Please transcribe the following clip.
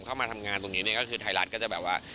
เข้ามาทำงานตรงนี้เนี่ยก็คือไทยรัฐก็จะแบบว่า